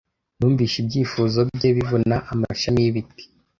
Numvise ibyifuzo bye bivuna amashami yibiti,